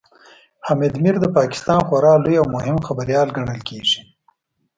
حامد میر د پاکستان خورا لوی او مهم خبريال ګڼل کېږي